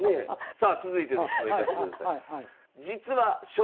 さあ続いての質問いかしてください。